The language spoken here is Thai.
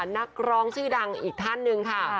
นักร้องชื่อดังอีกท่านหนึ่งค่ะ